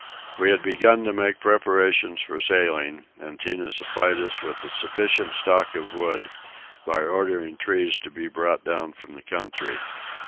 We had begun to make preparations for sailing, and Tinah supplied us with a sufficient stock of wood by ordering trees to be brought down from the country.